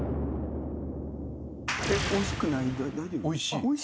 おいしい。